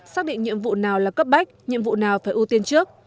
xác định nhiệm vụ nào là cấp bách nhiệm vụ nào phải ưu tiên trước